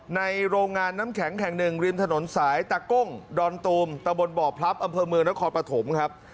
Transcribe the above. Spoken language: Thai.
โรงงานน้ำแข็งแห่งหนึ่งริมถนนสายตาก้งดอนตูมตะบนบ่อพลับอำเภอเมืองนครปฐมครับ